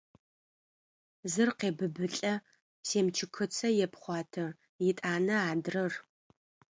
Зыр къебыбылӏэ, семчыкыцэ епхъуатэ, етӏанэ–адрэр…